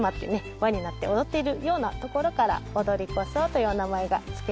輪になって踊っているようなところからオドリコソウというお名前が付けられました。